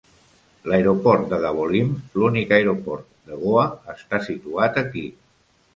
L'aeroport de Dabolim, l'únic aeroport de Goa, està situat aquí.